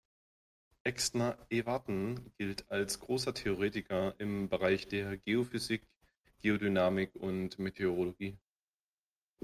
Exner-Ewarten gilt als großer Theoretiker im Bereich der Geophysik, Geodynamik und Meteorologie.